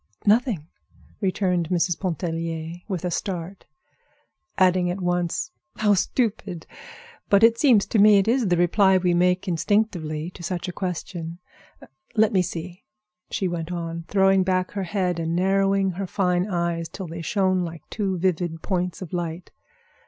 "Nothing," returned Mrs. Pontellier, with a start, adding at once: "How stupid! But it seems to me it is the reply we make instinctively to such a question. Let me see," she went on, throwing back her head and narrowing her fine eyes till they shone like two vivid points of light.